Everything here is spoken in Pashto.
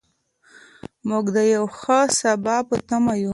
موږ د یو ښه سبا په تمه یو.